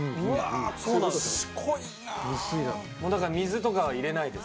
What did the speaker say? だから水とかは入れないです。